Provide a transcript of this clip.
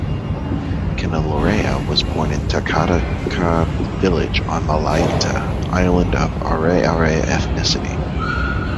Kenilorea was born in Takataka village on Malaita island, of 'Are'are ethnicity.